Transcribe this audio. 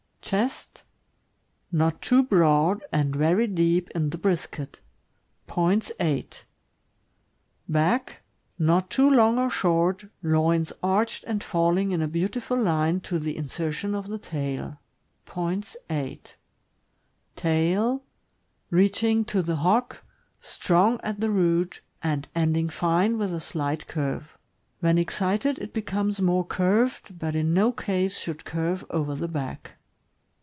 Chest. — Not too broad, and very deep in the brisket. Points, 8. Back. — Not too long or short, loins arched and falling in a beautiful line to the insertion of th* tail. Points, 8. Tail. — Reaching to the hock, strong at the root, and ending fine with a slight curve. When excited, it becomes more curved, but in no case should curve over the back.